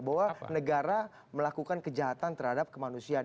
bahwa negara melakukan kejahatan terhadap kemanusiaan